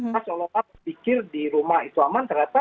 mas allah pikir di rumah itu aman ternyata